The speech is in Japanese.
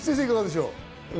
いかがでしょう。